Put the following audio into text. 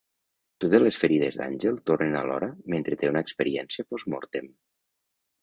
Totes les ferides d'Àngel tornen alhora mentre té una experiència post mortem.